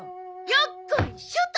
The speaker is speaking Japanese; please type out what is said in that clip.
よっこいしょと。